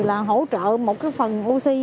sẽ hỗ trợ một phần oxy